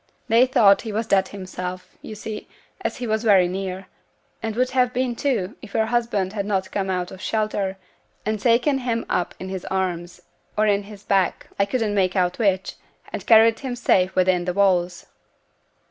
They thought he was dead himself, you see, as he was very near; and would have been too, if your husband had not come out of shelter, and taken him up in his arms or on his back (I couldn't make out which), and carried him safe within the walls.'